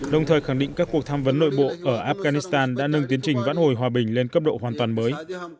đồng thời khẳng định các cuộc tham vấn nội bộ ở afghanistan đã nâng tiến trình vãn hồi hòa bình lên cấp độ hoàn toàn mới